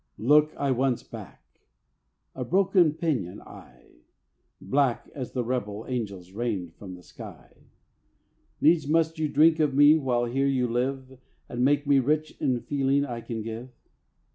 Look I once back, a broken pinion I: Black as the rebel angels rained from sky! Needs must you drink of me while here you live, And make me rich in feeling I can give.